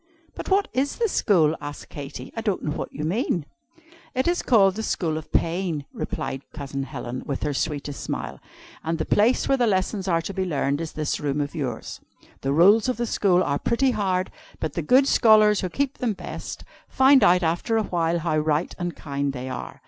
'" "But what is the school?" asked Katy. "I don't know what you mean." "It is called The School of Pain," replied Cousin Helen, with her sweetest smile. "And the place where the lessons are to be learned is this room of yours. The rules of the school are pretty hard, but the good scholars, who keep them best, find out after a while how right and kind they are.